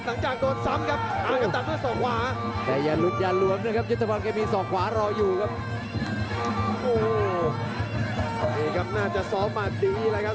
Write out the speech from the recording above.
หล่องจากโดดซ้ำครับต่างกับดักมือเหลือส่องขวา